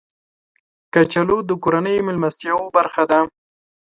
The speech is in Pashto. کچالو د کورنیو میلمستیاو برخه ده